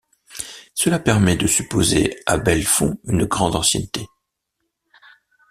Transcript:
Cela permet de supposer à Bellefond une grande ancienneté.